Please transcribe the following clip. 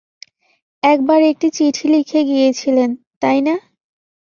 এক বার একটি চিঠি লিখে গিয়েছিলেন, তাই না?